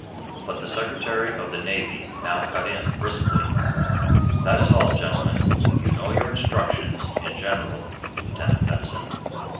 But the Secretary of the Navy now cut in, briskly: "That is all, gentlemen. You know your instructions, in general, Lieutenant Benson.